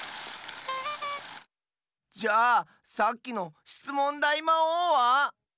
じゃさっきのしつもんだいまおうは？